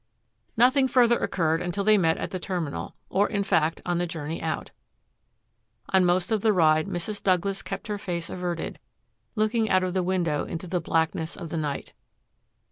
Nothing further occurred until they met at the Terminal, or, in fact, on the journey out. On most of the ride Mrs. Douglas kept her face averted, looking out of the window into the blackness of the night.